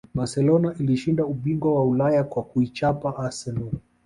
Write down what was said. barcelona ilishinda ubingwa wa ulaya kwa kuichapa arsenal